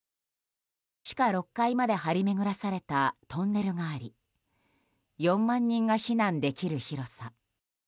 地下６階まで張り巡らされたトンネルがあり４万人が避難できる広さ。